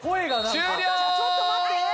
ちょっと待って！